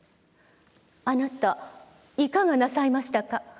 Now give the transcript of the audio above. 「あなたいかがなさいましたか。